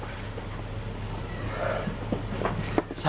selain rumput makan makan begini yang mereka suka